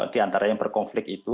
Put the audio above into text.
di antara yang berkonflik itu